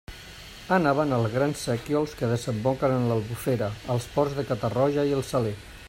Anaven als grans sequiols que desemboquen en l'Albufera, als ports de Catarroja i el Saler.